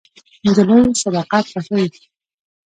نجلۍ صداقت خوښوي.